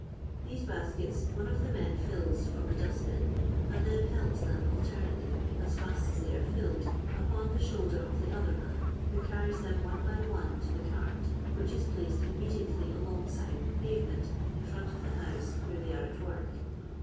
These baskeU one of Uie men fills from the dust bin, and then helps them altemsitely, as £ut as they are filled, upon the shoulder of the otber man, who carries them one by one to the cart, which is phiced im mediatdy alongside the pavement in front of the house where they an at work.